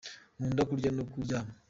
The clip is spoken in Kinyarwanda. nkunda kurya no kuryama.